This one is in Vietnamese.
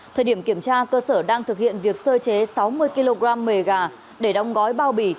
thời điểm kiểm tra cơ sở đang thực hiện việc sơ chế sáu mươi kg mề gà để đóng gói bao bì